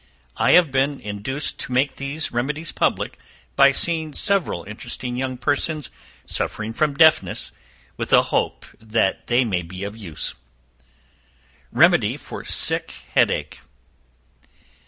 I have been induced to make these remedies public, by seeing several interesting young persons suffering from deafness, with a hope that they may be of use. Remedy for Sick Head ache.